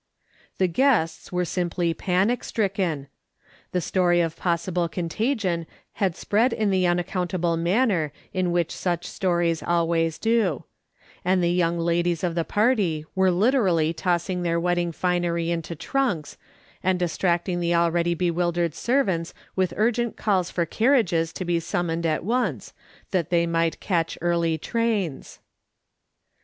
The guests were simply panic stricken; the story of possible contagion had spread in the unaccount able manner in which such stories always do ; and the young ladies of the party were literally tossing their wedding finery into trunks, and distracting the already bewildered servants with urgent calls for carriages to be summoned at once, that they might catch early trains.